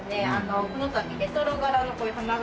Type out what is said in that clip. このたびレトロ柄のこういう花柄とか。